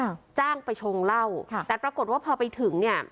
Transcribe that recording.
จ้างไปชงเหล้าค่ะแต่ปรากฏว่าพอไปถึงเนี้ย